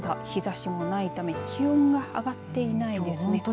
ただ、日ざしもないため気温が上がっていないですね。